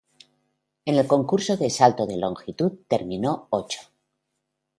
En el concurso de salto de longitud terminó ocho.